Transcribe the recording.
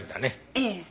ええ。